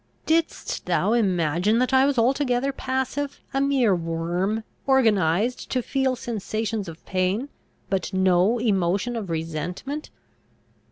Didst thou imagine that I was altogether passive, a mere worm, organised to feel sensations of pain, but no emotion of resentment?